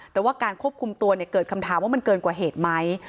แต่ว่าการควบคุมตัวเกิดคำถามว่ามันเกินกว่าเหตุไหม